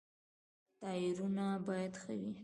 ټایرونه باید ښه وي.